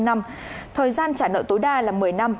bây giờ thì thời gian trả nợ tối đa là một mươi năm năm